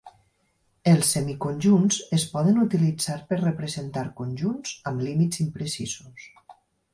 Els semiconjunts es poden utilitzar per representar conjunts amb límits imprecisos.